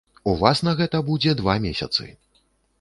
У вас на гэта будзе два месяцы.